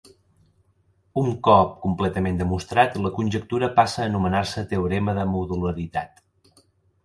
Un cop completament demostrat, la conjectura passa a anomenar-se teorema de modularitat.